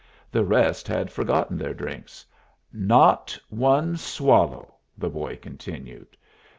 The rest had forgotten their drinks. "Not one swallow," the boy continued.